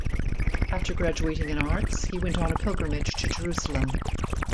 After graduating in arts he went on a pilgrimage to Jerusalem.